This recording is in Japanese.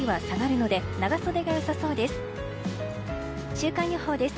週間予報です。